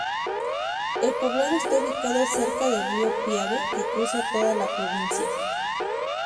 El poblado está ubicado cerca del río Piave, que cruza toda la provincia.